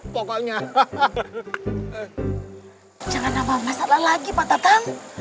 jangan nambah masalah lagi pak tatang